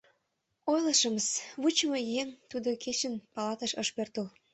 — Ойлышымыс, вучымо еҥ тудо кечын палатыш ыш пӧртыл.